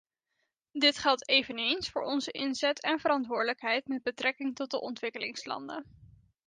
Dit geldt eveneens voor onze inzet en verantwoordelijkheid met betrekking tot de ontwikkelingslanden.